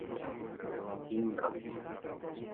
Kinga.